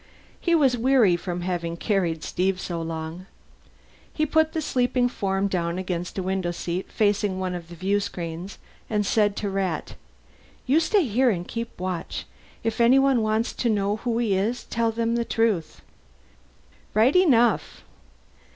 He was weary from having carried Steve so long. He put the sleeping form down against a window seat facing one of the viewscreens, and said to Rat, "You stay here and keep watch. If anyone wants to know who he is, tell them the truth." "Right enough."